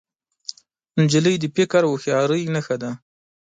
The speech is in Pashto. نجلۍ د فکر او هوښیارۍ نښه ده.